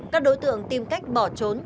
các đối tượng tìm cách bỏ trốn